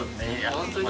本当に？